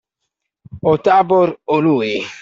O Tabor o lui!